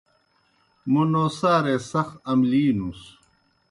موْ نوسارے سخ املِینُس۔